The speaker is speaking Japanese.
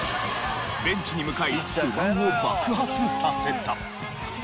ベンチに向かい不満を爆発させた。